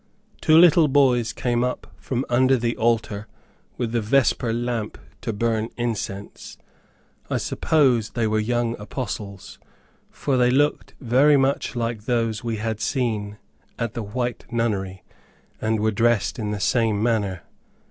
Two little boys came up from under the altar, with the vesper lamp to burn incense. I suppose they were young Apostles, for they looked very much like those we had seen at the White Nunnery, and were dressed in the same manner.